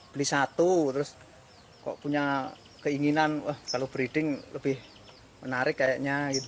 beli satu terus kok punya keinginan wah kalau breeding lebih menarik kayaknya